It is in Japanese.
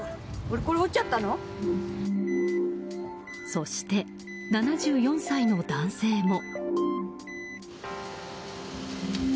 そして、７４歳の男性も。